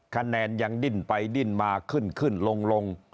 คะแนนยังดิ้นไปดิ้นมาขึ้นขึ้นลง